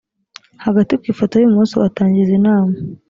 hagati ku ifoto y ibumoso atangiza inama